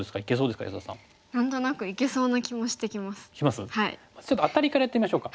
まずちょっとアタリからやってみましょうか。